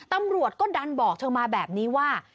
ตำรวจก็ดันบอกเธอมาแบบนี้ว่า